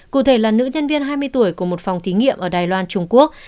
cụ thể là nữ nhân viên hai mươi tuổi của một phòng thí nghiệm ở đài loan trung quốc